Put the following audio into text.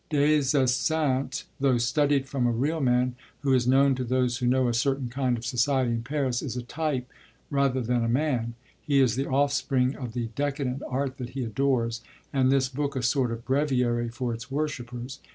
Des Esseintes, though studied from a real man, who is known to those who know a certain kind of society in Paris, is a type rather than a man: he is the offspring of the Decadent art that he adores, and this book a sort of breviary for its worshippers.